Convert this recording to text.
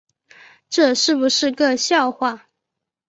这是不是个笑话